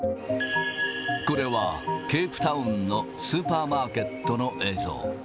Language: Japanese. これはケープタウンのスーパーマーケットの映像。